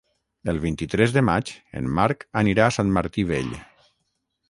El vint-i-tres de maig en Marc anirà a Sant Martí Vell.